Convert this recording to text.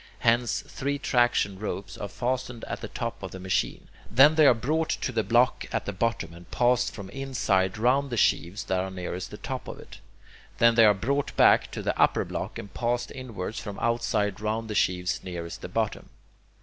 Hence three traction ropes are fastened at the top of the machine. Then they are brought to the block at the bottom, and passed from the inside round the sheaves that are nearest the top of it. Then they are brought back to the upper block, and passed inwards from outside round the sheaves nearest the bottom.